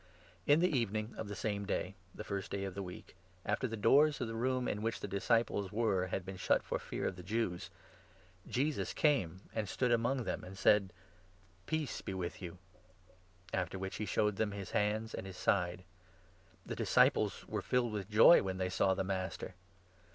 Jesus I" l'ie evening of the same day — the first day 19 appears to of the week — after the doors of the room, in the Apostles. which the disciples were, had been shut for fear of the Jews, Jesus came and stood among them and said :" Peace be with you "; after which he showed them his hands 20 and his side. The disciples were filled with joy when they saw the Master.